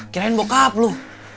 kirain bokap lu